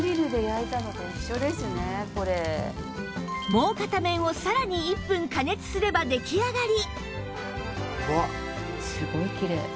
もう片面をさらに１分加熱すれば出来上がり